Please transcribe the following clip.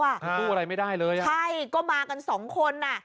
พูดอะไรไม่ได้เลยอ่ะใช่ก็มากันสองคน